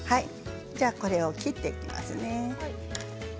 こちらを切っていきますね。